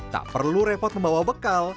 tak perlu repot membawa bekal